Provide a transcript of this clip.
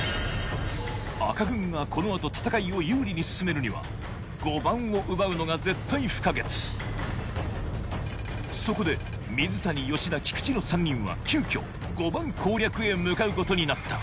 赤軍がこの後戦いを有利に進めるには５番を奪うのが絶対不可欠そこで水谷吉田菊池の３人は急きょ５番攻略へ向かうことになった